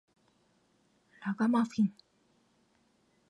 ラガマフィン